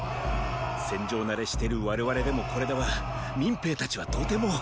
戦場慣れしてる我々でもこれでは民兵たちはとても。